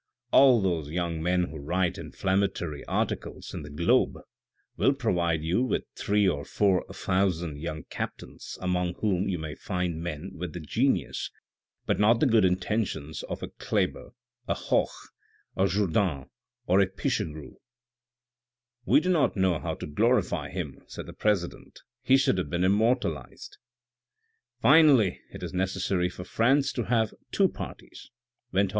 All those young men who write inflammatory articles in the Globe will provide you with three or four thousand young captains among whom you may find men with the genius, but not the good intentions of a Kleber, a Hoche, a Jourdan, a Pichegru." " We did not know how to glorify him," said the president. "He should have been immortalized." "Finally, it is necessary for France to have two parties," went on M.